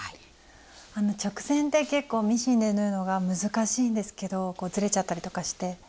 直線って結構ミシンで縫うのが難しいんですけどこうずれちゃったりとかして。